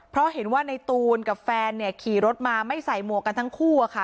เพราะเห็นว่าในตูนกับแฟนเนี่ยขี่รถมาไม่ใส่หมวกกันทั้งคู่อะค่ะ